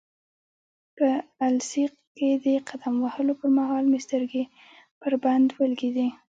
په السیق کې د قدم وهلو پرمهال مې سترګې پر بند ولګېدې.